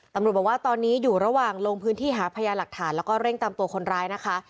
ตำรวจบอกว่าตอนนี้อยู่ระหว่างลงพื้นที่หาพยาหลักฐานแล้วก็เร่งตามตัวคนร้ายนะคะ